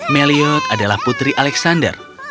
meliod adalah putri alexander